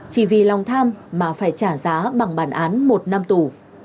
chỉ vì lòng tham mà phải trả giá bằng bản án một năm tù